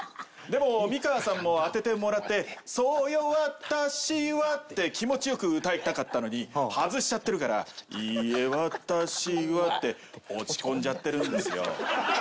でも美川さんも当ててもらって「そうよ私は」って気持ち良く歌いたかったのに外しちゃってるから「いいえ私は」って落ち込んじゃってるんですよ。